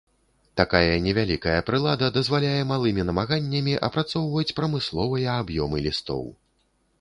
Такая невялікая прылада дазваляе малымі намаганнямі апрацоўваць прамысловыя аб'ёмы лістоў.